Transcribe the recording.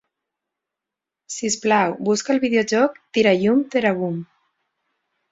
Si us plau, busca el videojoc Thirayum Theeravum.